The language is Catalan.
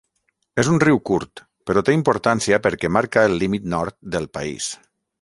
És un riu curt però té importància perquè marca el límit nord del país.